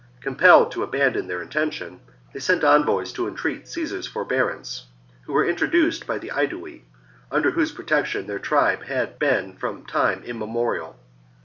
Compelled to abandon their intention, they sent envoys to entreat Caesar's forbearance, who were introduced by the Aedui, under whose protection their tribe had been from time immemorial.